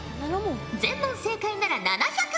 全問正解なら７００